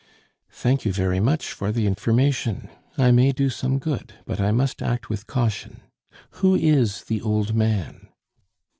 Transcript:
"Thank you very much for the information. I may do some good, but I must act with caution. Who is the old man?"